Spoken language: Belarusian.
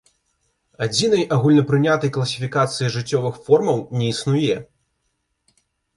Адзінай агульнапрынятай класіфікацыі жыццёвых формаў не існуе.